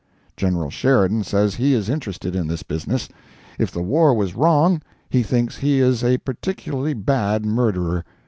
General Sheridan says he is interested in this business; if the war was wrong, he thinks he is a particularly bad murderer.